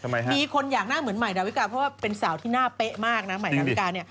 มีคนอยากหน้าเหมือนใหม่ดาวิกาเพราะว่าเป็นสาวที่หน้าเป๊ะมากนะ